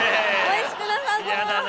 おいしくなさそう。